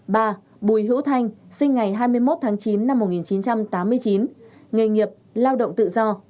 ba bùi hữu thanh sinh ngày hai mươi một tháng chín năm một nghìn chín trăm tám mươi chín nghề nghiệp lao động tự do